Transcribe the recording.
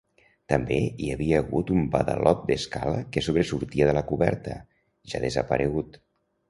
També hi havia hagut un badalot d'escala que sobresortia de la coberta, ja desaparegut.